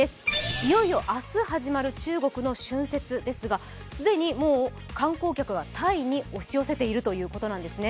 いよいよ明日始まる中国の春節ですが、既にもう観光客がタイに押し寄せているということなんですね。